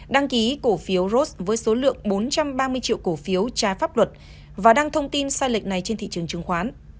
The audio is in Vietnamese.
đăng ký cổ phiếu ros với số lượng bốn trăm ba mươi triệu cổ phiếu trái pháp luật và đăng thông tin sai lệch này trên thị trường chứng khoán